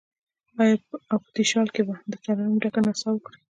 او په تشیال کې به، دترنم ډکه نڅا وکړي